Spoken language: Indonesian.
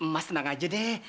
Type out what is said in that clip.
mas tenang aja deh